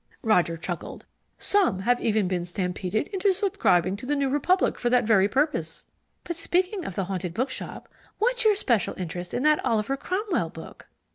Roger chuckled. "Some have even been stampeded into subscribing to the New Republic for that very purpose." "But speaking of the Haunted Bookshop, what's your special interest in that Oliver Cromwell book?"